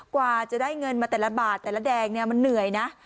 กว่าจะได้เงินมาแต่ละบาทแต่ละแดงเนี่ยมันเหนื่อยนะ